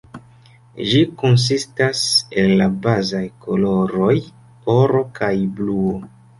Ĝi konsistas el la bazaj koloroj oro kaj bluo.